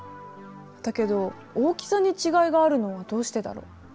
だけど大きさに違いがあるのはどうしてだろう？